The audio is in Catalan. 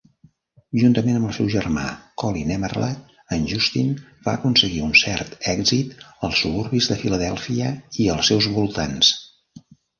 Juntament amb el seu germà Colin Emerle, en Justin va aconseguir un cert èxit als suburbis de Philadelphia i els seus voltants.